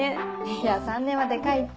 いや３年はデカいって。